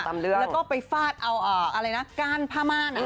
แล้วก็ไปฟาดก้านผ้ามาร